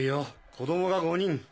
子供が５人。